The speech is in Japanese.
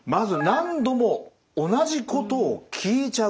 「何度も同じことを聞いちゃう」。